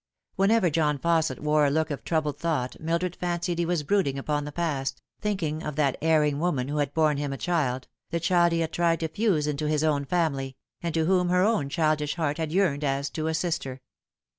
Whenever John Fausset wore a look of troubled thought Mildred fancied he was brooding upon the past, thinking of that erring woman who had borne him a child, the child he had tried to fuse into his own family, and to whom her own childish heart had yearned as to a sister.